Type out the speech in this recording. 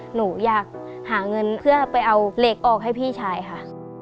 หนูอยากหาเงินเพื่อไปเอาเหล็กออกให้พี่ชายค่ะ